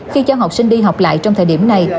khi cho học sinh đi học lại trong thời điểm này